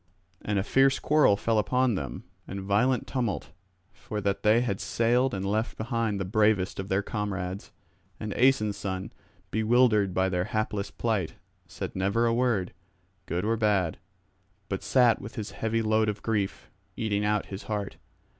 And a fierce quarrel fell upon them, and violent tumult, for that they had sailed and left behind the bravest of their comrades. And Aeson's son, bewildered by their hapless plight, said never a word, good or bad; but sat with his heavy load of grief, eating out his heart.